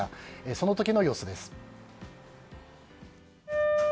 その時の様子です。